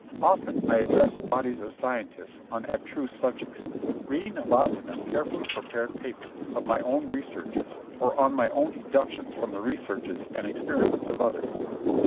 Often I addressed bodies of scientists on abstruse subjects, reading aloud to them carefully prepared papers on my own researches or on my own deductions from the researches and experiments of others.